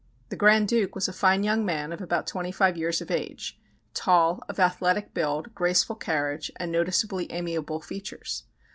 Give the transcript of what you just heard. The Grand Duke was a fine young man, of about twenty five years of age, tall, of athletic build, graceful carriage, and noticeably amiable features.